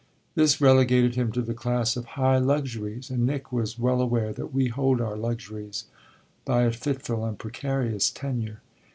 This relegated him to the class of high luxuries, and Nick was well aware that we hold our luxuries by a fitful and precarious tenure.